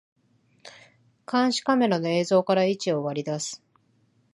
監視カメラの映像から位置を割り出す